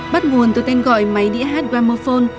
bắt nguồn từ tên gọi máy đĩa hát gramophone